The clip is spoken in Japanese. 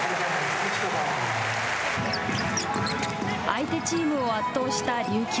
相手チームを圧倒した琉球。